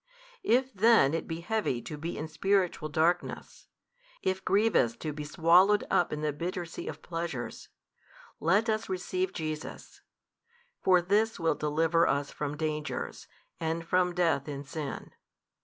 If then it be heavy to be in spiritual darkness, if grievous to be swallowed up in the bitter sea of pleasures, let us receive Jesus: for this will deliver us from dangers, and from death in sin.